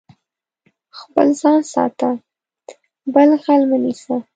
خپل ځان ساته، بل غل مه نيسه.